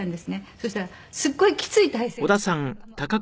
そしたらすごいきつい体勢なんですよ。